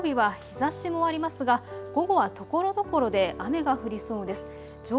まずあす土曜日は日ざしもありますが午後はところどころで雨が降りそうです。